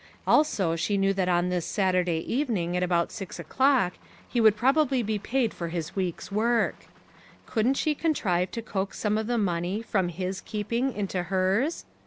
Also she knew that on this Saturday even ing at about six o'clock, he would probably HOW IT SUCCEEDED. 119 be paid for his week's work. Couldn't she con trive to coax some of the money from his keep ing into hers